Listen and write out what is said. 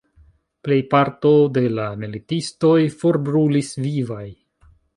Plejparto de la militistoj forbrulis vivaj.